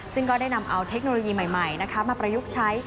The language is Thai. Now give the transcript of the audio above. ซึ่งก็ได้นำเอาเทคโนโลยีใหม่มาประยุกต์ใช้